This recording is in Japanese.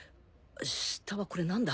下はこれ何だ？